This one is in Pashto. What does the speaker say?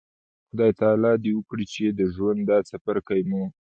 خدای تعالی د وکړي چې د ژوند دا څپرکی مو